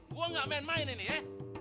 gue gak main main ini ya